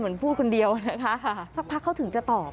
พูดคนเดียวนะคะสักพักเขาถึงจะตอบ